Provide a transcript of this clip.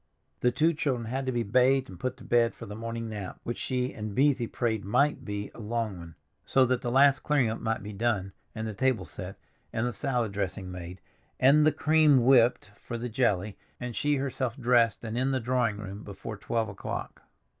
The two children had to be bathed and put to bed for the morning nap, which both she and Beesy prayed might be a long one, so that the last clearing up might be done, and the table set, and the salad dressing made, and the cream whipped for the jelly, and she herself dressed and in the drawing room before twelve o'clock.